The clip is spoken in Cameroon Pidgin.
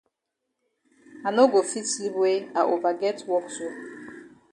I no go fit sleep wey I ova get wok so.